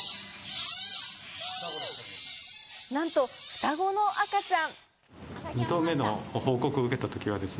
なんと双子の赤ちゃん。